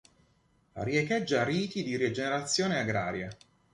Riecheggia riti di rigenerazione agraria.